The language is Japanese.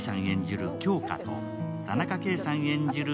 演じる杏花と、田中圭さん演じる